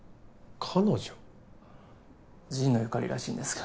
神野由香里らしいんですが。